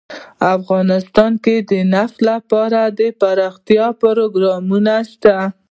افغانستان کې د نفت لپاره دپرمختیا پروګرامونه شته.